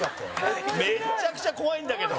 めちゃくちゃ怖いんだけど。